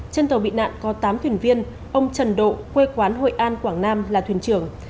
trên tàu bị nạn có tám thuyền viên ông trần độ quê quán hội an quảng nam là thuyền trưởng